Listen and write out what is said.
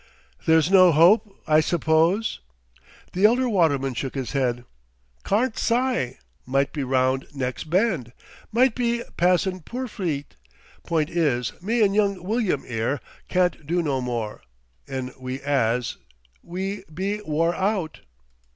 "There's no hope, I suppose?" The elder waterman shook his head. "'Carn't sye.... Might be round nex' bend might be passin' Purfleet.... 'Point is me an' young Wilyum 'ere carn't do no more 'n we 'as. We be wore out."